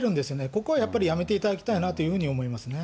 ここはやっぱりやめていただきたいなというふうに思いますね。